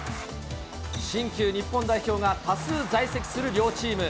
新旧日本代表が多数在籍する両チーム。